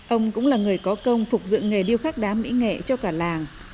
ông cũng là người có công phục dựng nghề điêu khắc đá mỹ nghệ cho cả làng